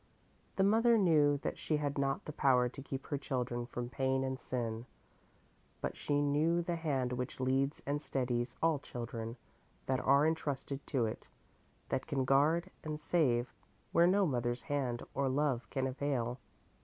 The mother knew that she had not the power to keep her children from pain and sin, but she knew the hand which leads and steadies all children that are entrusted to it, that can guard and save where no mother's hand or love can avail.